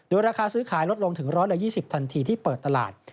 ราคาซื้อขายลดลงถึง๑๒๐ทันทีที่เปิดตลาด